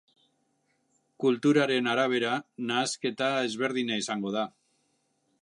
Kulturaren arabera nahasketa ezberdina izango da.